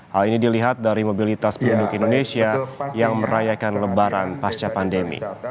hal ini dilihat dari mobilitas penduduk indonesia yang merayakan lebaran pasca pandemi